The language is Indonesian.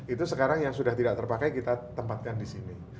itu sekarang yang sudah tidak terpakai kita tempatkan di sini